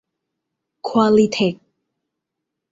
ควอลลีเทค